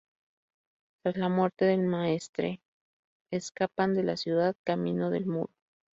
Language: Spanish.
Tras la muerte del Maestre, escapan de la ciudad camino del Muro.